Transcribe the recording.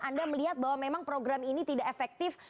anda melihat bahwa memang program ini tidak efektif